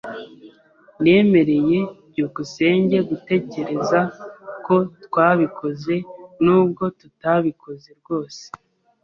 Nemereye byukusenge gutekereza ko twabikoze nubwo tutabikoze rwose.